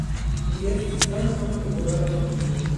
Li estis ankaŭ tribunala fakulo.